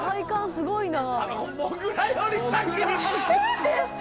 すごいね。